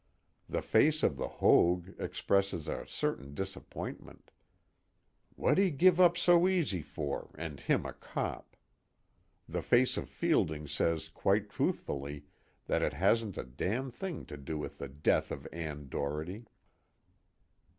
The Face of the Hoag expresses a certain disappointment: 'Wha'd he give up so easy for, and him a cop?' The Face of Fielding says quite truthfully that it hasn't a damn thing to do with the death of Ann Doherty.